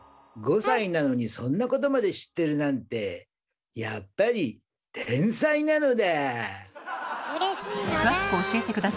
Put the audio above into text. ５歳なのにそんなことまで知ってるなんてうれしいのだ。